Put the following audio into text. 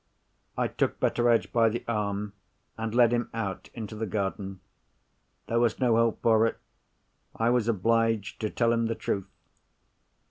I took Betteredge by the arm, and led him out into the garden. There was no help for it. I was obliged to tell him the truth.